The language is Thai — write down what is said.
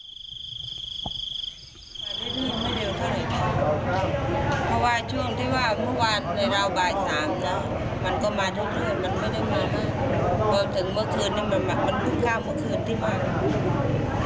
มาเรียนวัดไม่เร็วเท่าไหร่ครับเพราะว่าช่วงที่ว่าเมื่อวานในราวบ่ายสามนะมันก็มาเท่าไหร่มันไม่ได้มาแล้ว